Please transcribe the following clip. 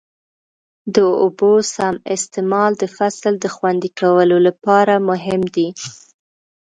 د اوبو سم استعمال د فصل د خوندي کولو لپاره مهم دی.